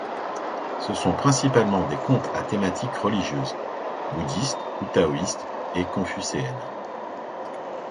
Ce sont principalement des contes à thématique religieuse, bouddhiste ou taoïste, et confucéenne.